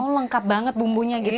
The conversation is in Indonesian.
lengkap banget bumbunya gitu ya bu ya